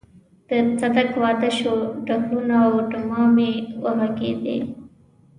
د صدک واده شو ډهلونه او ډمامې وغږېدې.